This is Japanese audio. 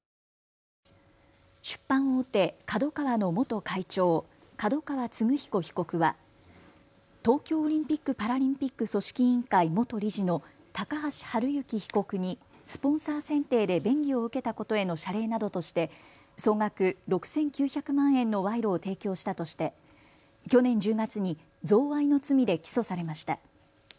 出版大手ＫＡＤＯＫＡＷＡの元会長、角川歴彦被告は東京オリンピック・パラリンピック組織委員会元理事の高橋治之被告にスポンサー選定で便宜を受けたことへの謝礼などとして総額６９００万円の賄賂を提供したとして去年１０月に贈賄の罪で起訴されました。